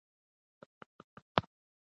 انځور د شپې په تیاره کې د کعبې ځلېدنه ښيي.